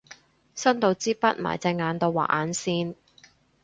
伸到支筆埋隻眼度畫眼線